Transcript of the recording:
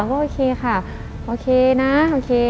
ก็โอเคค่ะโอเคนะโอเค